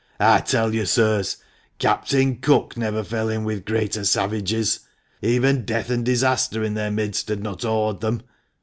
I tell you, sirs, Captain Cook never fell in with greater savages. Even death and disaster in their midst had not awed them